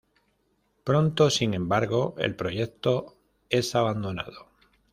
Pronto, sin embargo, el proyecto es abandonado.